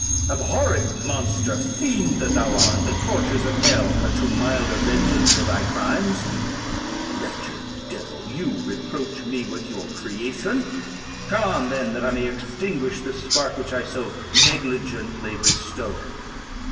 "Abhorred monster! fiend that thou art! the tortures of hell are too mild a vengeance for thy crimes. Wretched devil! you reproach me with your creation; come on, then, that I may extinguish the spark which I so negligently bestowed."